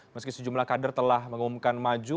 meski sejumlah kader telah mengumumkan maju